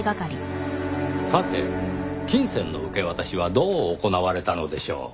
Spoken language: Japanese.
さて金銭の受け渡しはどう行われたのでしょう？